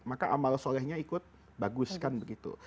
maka amal solehnya ikut bagus kan begitu